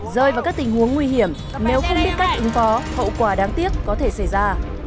rơi vào các tình huống nguy hiểm nếu không biết cách ứng phó hậu quả đáng tiếc có thể xảy ra